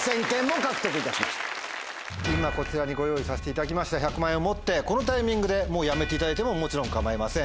こちらにご用意をさせていただきました１００万円を持ってこのタイミングでやめていただいてももちろん構いません。